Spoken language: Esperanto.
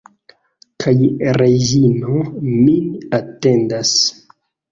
Kaj Reĝino min atendas.